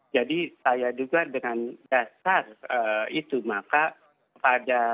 jadi saya juga dengan dasar itu maka pada